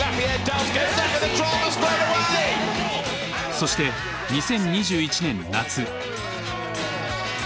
そして２０２１年夏。